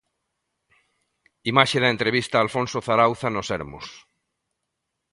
Imaxe da entrevista a Alfonso Zarauza no Sermos.